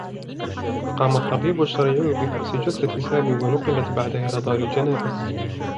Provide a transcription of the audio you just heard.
قام الطّبيب الشّرعي بفحص جثّة سامي و نُقِلت بعدها إلى دار الجنائز.